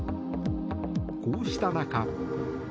こうした中。